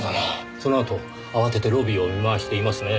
そのあと慌ててロビーを見渡していますねぇ。